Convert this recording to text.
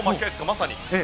まさに。